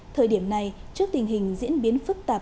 thời điểm này trước tình hình diễn biến phức tạp